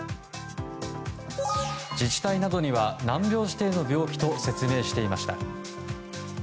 自治体などには難病指定の病気と説明していました。